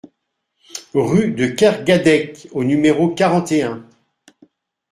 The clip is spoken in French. Rue de Kergadec au numéro quarante et un